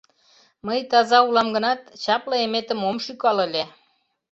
— Мый таза улам гынат, чапле эметым ом шӱкал ыле.